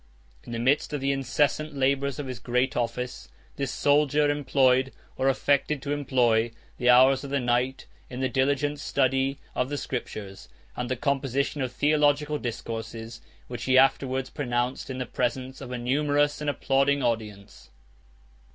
In the midst of the incessant labors of his great office, this soldier employed, or affected to employ, the hours of the night in the diligent study of the Scriptures, and the composition of theological discourses; which he afterwards pronounced in the presence of a numerous and applauding audience.